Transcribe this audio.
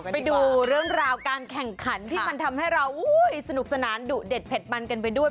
ไปดูเรื่องราวการแข่งขันที่มันทำให้เราสนุกสนานดุเด็ดเผ็ดมันกันไปด้วย